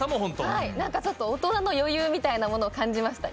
大人の余裕みたいなものを感じました